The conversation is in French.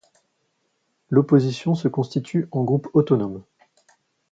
L'Opposition se constitue en groupe autonome.